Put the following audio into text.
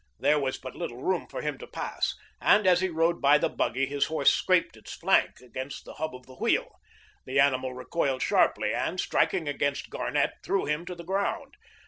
There was but little room for him to pass, and, as he rode by the buggy, his horse scraped his flank against the hub of the wheel. The animal recoiled sharply, and, striking against Garnett, threw him to the ground.